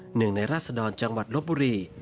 หนึ่งในราศดรจังหวัดลบบุรี